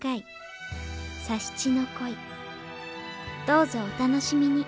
どうぞお楽しみに